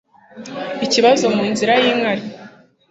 ikibazo mu nzira y'inkari